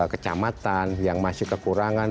kecamatan yang masih kekurangan